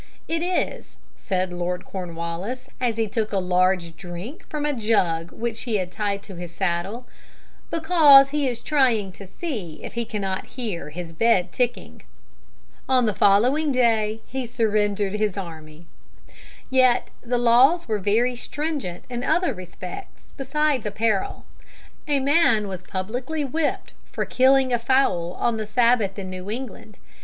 "It is," said Lord Cornwallis, as he took a large drink from a jug which he had tied to his saddle, "because he is trying to see if he cannot hear his bed ticking." On the following day he surrendered his army, and went home to spring his bon mot on George III. Yet the laws were very stringent in other respects besides apparel. A man was publicly whipped for killing a fowl on the Sabbath in New England.